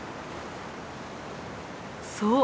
そう。